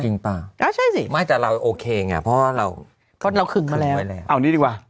จริงป่ะใช่สิไม่แต่เราโอเคไงเพราะเราคึงมาแล้วเอานี่ดีกว่า